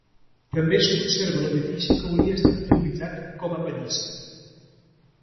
També es conserva l'edifici que hauria estat utilitzat com a pallissa.